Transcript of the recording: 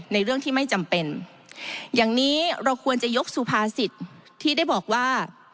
เรื่องที่ไม่จำเป็นอย่างนี้เราควรจะยกสุภาษิตที่ได้บอกว่า